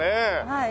はい。